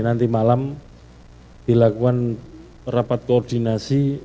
nanti malam dilakukan rapat koordinasi